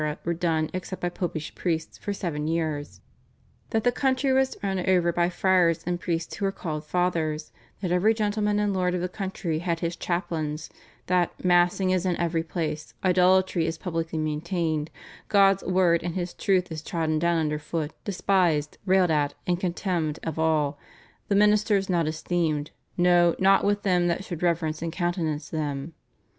were done except by Popish priests for seven years, that the country was over run by friars and priests who are called Fathers, that every gentleman and lord of the country had his chaplains, that "massing is in every place, idolatry is publicly maintained, God's word and his truth is trodden down under foot, despised, railed at, and contemned of all, the ministers not esteemed no not with them that should reverence and countenance them."